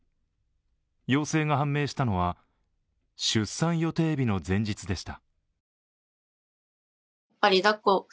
陽性が判明したのは、出産予定日の前日でした。